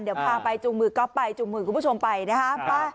เดี๋ยวพาไปจูงมือก๊อฟไปจูงมือคุณผู้ชมไปนะฮะ